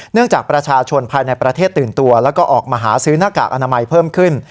จากประชาชนภายในประเทศตื่นตัวแล้วก็ออกมาหาซื้อหน้ากากอนามัยเพิ่มขึ้น